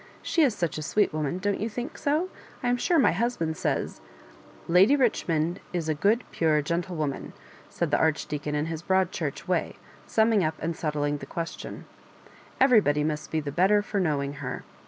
She is such a sweet woman^^don'tyouthuikso? I am sure my husband says "'* Lady Biohnoond is a good, pure, gentle wo man," said the Archdeacon in his Broad Church way, summing up and settling the question; M everybody must be. the better for knowing her.